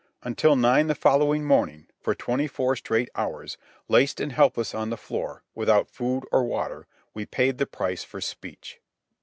Until nine the following morning, for twenty four straight hours, laced and helpless on the floor, without food or water, we paid the price for speech.